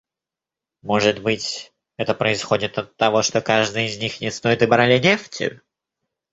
Может быть, это происходит оттого, что каждый из них не стоит и барреля нефти?